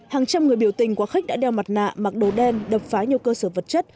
hàng trăm người biểu tình quá khích đã đeo mặt nạ mặc đồ đen đập phá nhiều cơ sở vật chất